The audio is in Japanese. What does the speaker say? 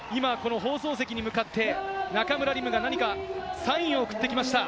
放送席に向かって中村輪夢が何かサインを送ってきました。